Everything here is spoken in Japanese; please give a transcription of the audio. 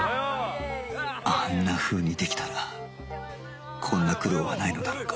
あんなふうにできたらこんな苦労はないのだろうか